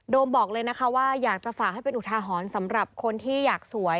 บอกเลยนะคะว่าอยากจะฝากให้เป็นอุทาหรณ์สำหรับคนที่อยากสวย